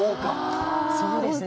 そうですね。